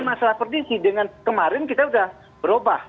nah itu bukan masalah predisi dengan kemarin kita sudah berubah